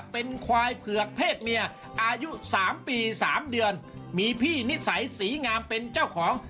เป็นควายเผือกเพศเมียอายุ๓ปี๓เดือนมีพี่นิสัยศรีงามเป็นเจ้าของ